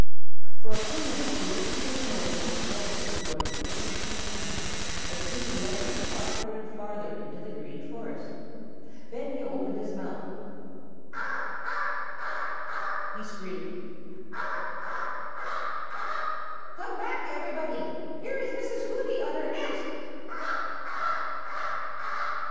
For a few minutes he listened to the noise of his relatives growing fainter and fainter, as Hooty led them farther and farther into the Green Forest. Then he opened his mouth. "Caw, caw, caw, caw!" he screamed. "Caw, caw, caw, caw! Come back, everybody! Here is Mrs. Hooty on her nest!